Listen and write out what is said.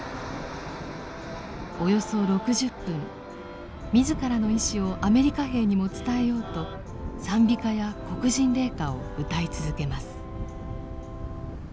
およそ６０分自らの意思をアメリカ兵にも伝えようと賛美歌や黒人霊歌を歌い続けます。